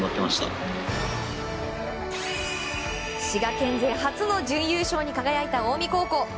滋賀県勢初の準優勝に輝いた近江高校。